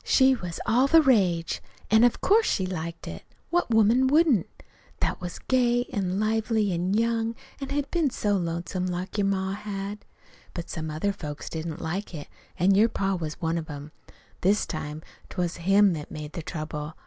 She was all the rage; an' of course she liked it. What woman wouldn't, that was gay an' lively an' young, an' had been so lonesome like your ma had? But some other folks didn't like it. An' your pa was one of them. This time 't was him that made the trouble.